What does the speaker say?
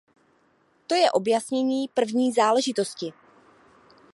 To je objasnění první záležitosti.